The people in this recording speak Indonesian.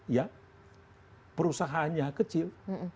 ya perusahaannya kecil